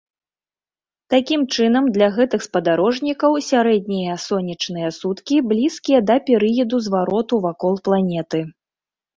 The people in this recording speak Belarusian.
Такім чынам, для гэтых спадарожнікаў сярэднія сонечныя суткі блізкія да перыяду звароту вакол планеты.